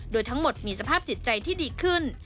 โดยทั้งหมดมีสภาพจิตใจที่ดีขึ้น